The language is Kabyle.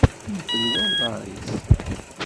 Infelwa uḍaṛ-is.